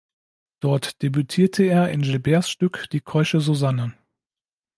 Dort debütierte er in Gilberts Stück "Die keusche Susanne".